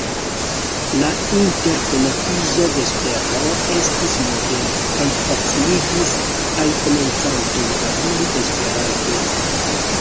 La interkonatiĝa vespero estis modela, kaj faciligis al komencantoj babili Esperante.